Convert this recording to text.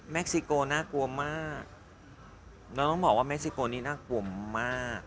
ซิโกน่ากลัวมากแล้วต้องบอกว่าเม็กซิโกนี่น่ากลัวมาก